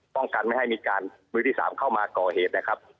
ป้องกันไม่ให้มีมูลที่สามเข้ามาก่อเหตุ